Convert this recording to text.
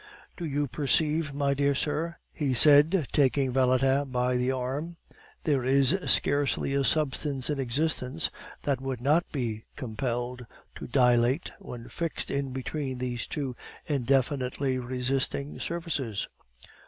Do you perceive, my dear sir," he said taking Valentin by the arm, "there is scarcely a substance in existence that would not be compelled to dilate when fixed in between these two indefinitely resisting surfaces?"